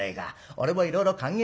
俺もいろいろ考えたよ。